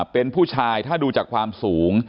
เป็นผู้ชายถ้าดูจากความสูง